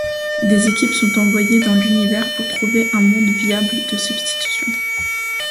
Des équipes sont envoyées dans l'univers pour trouver un monde viable de substitution.